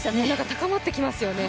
高まってきますよね。